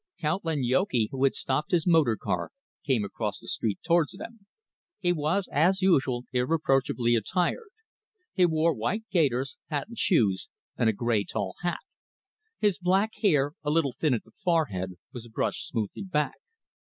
Count Lanyoki, who had stopped his motor car, came across the street towards them. He was, as usual, irreproachably attired. He wore white gaiters, patent shoes, and a grey, tall hat. His black hair, a little thin at the forehead, was brushed smoothly back.